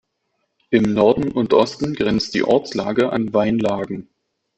Im Norden und Osten grenzt die Ortslage an Weinlagen.